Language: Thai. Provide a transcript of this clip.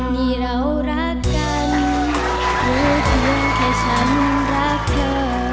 นี่เรารักกันหรือเพียงแค่ฉันรักเธอ